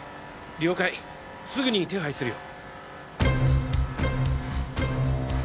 了解すぐに手配するよ。